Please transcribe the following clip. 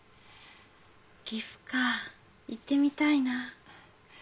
岐阜か行ってみたいな。